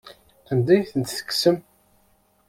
Anda ay tent-tekksem?